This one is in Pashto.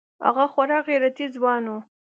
هغه خورا غيرتي ځوان و.